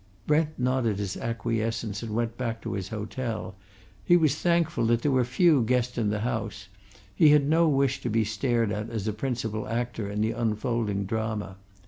Brent nodded his acquiescence and went back to his hotel. He was thankful that there were few guests in the house he had no wish to be stared at as a principal actor in the unfolding drama.